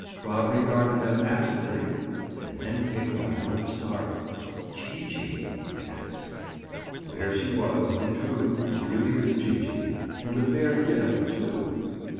Bob regarded them absently and then gave a violent start. "Gee gee!" he gasped. There she was, in truth, the beauteous Gee gee, and the fair Gid up, too!